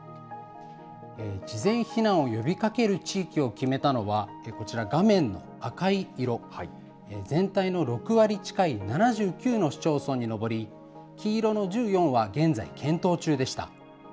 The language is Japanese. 事前避難を呼びかける地域を決めたのはこちら、画面の赤い色、全体の６割近い７９の市町村に上り、黄色の１４は現在、検討中でした。